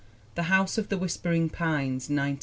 The House of the Whispering Pines, 1910.